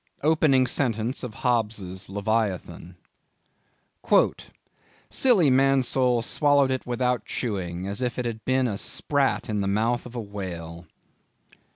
—Opening sentence of Hobbes's Leviathan. "Silly Mansoul swallowed it without chewing, as if it had been a sprat in the mouth of a whale."